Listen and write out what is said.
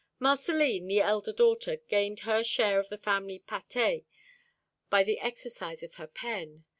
Marcelline, the elder daughter, gained her share of the family pâtée by the exercise of her pen.